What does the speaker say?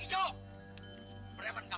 ijo beraman kamu